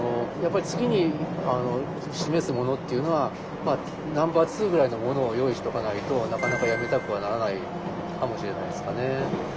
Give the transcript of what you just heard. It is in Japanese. やっぱり次に示すものっていうのはナンバー２ぐらいのものを用意しておかないとなかなかやめたくはならないかもしれないですかね。